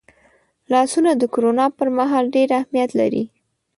لاسونه د کرونا پرمهال ډېر اهمیت لري